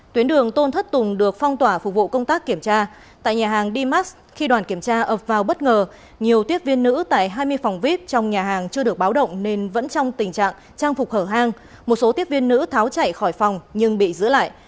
tuyến đường tôn thất tùng được phong tỏa phục vụ công tác kiểm tra tại nhà hàng dmars khi đoàn kiểm tra ập vào bất ngờ nhiều tiếp viên nữ tại hai mươi phòng vip trong nhà hàng chưa được báo động nên vẫn trong tình trạng trang phục hở hang một số tiếp viên nữ tháo chạy khỏi phòng nhưng bị giữ lại